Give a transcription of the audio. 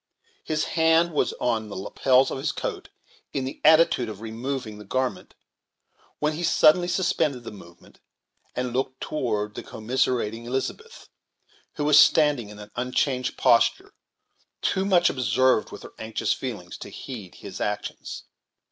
His hand was on the lapels of his coat, in the attitude of removing the garment, when he suddenly suspended the movement, and looked toward the commiserating Elizabeth, who was standing in an unchanged posture, too much absorbed with her anxious feelings to heed his actions.